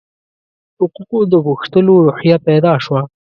حقوقو د غوښتلو روحیه پیدا شوه.